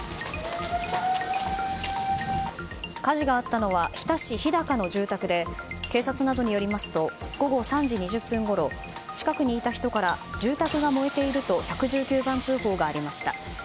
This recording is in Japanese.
火事があったのは日田市日高の住宅で警察などによりますと午後３時２０分ごろ近くにいた人から住宅が燃えていると１１９番通報がありました。